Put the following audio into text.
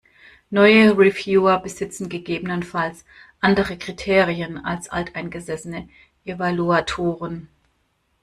Neue Reviewer besitzen gegebenenfalls andere Kriterien als alteingesessene Evaluatoren.